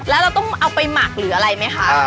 แล้วเราต้องเอาไปหมักหรืออะไรไหมคะ